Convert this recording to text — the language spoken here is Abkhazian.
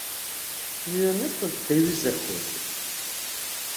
Мҩаныфак даҩызахоит.